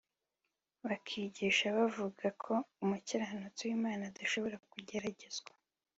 bakigisha bavuga ko umukiranutsi w’Imana adashobora kugeragezwa